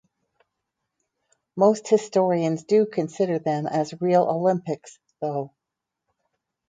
Most historians do consider them as real Olympics, though.